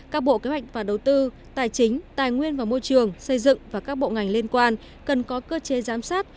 các bộ kế hoạch và đầu tư tài chính tài nguyên và môi trường xây dựng và các bộ ngành liên quan cần có cơ chế giám sát